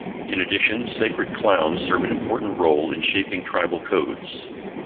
In addition, sacred clowns serve an important role in shaping tribal codes.